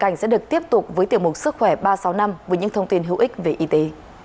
cảnh sẽ được tiếp tục với tiểu mục sức khỏe ba trăm sáu mươi năm với những thông tin hữu ích về y tế